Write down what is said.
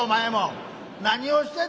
何をしてんねん。